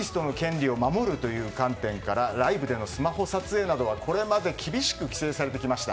日本ではアーティストの権利を守るという観点からライブでのスマホ撮影などはこれまで厳しく規制されてきました。